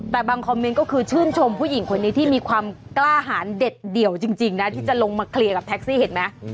แต่บางคอมเมนต์ก็คือชื่นชมผู้หญิงคนนี้ที่มีความกล้าหารเด็ดเดี่ยวจริงนะที่จะลงมาเคลียร์กับแท็กซี่เห็นไหม